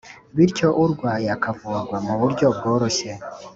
bityo urwaye akavurwa mu buryo bworoheje